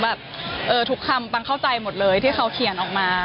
แบบทุกคำปังเข้าใจหมดเลยที่เขาเขียนออกมา